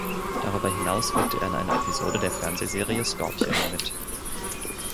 Darüber hinaus wirkte er in einer Episode der Fernsehserie "Scorpion" mit.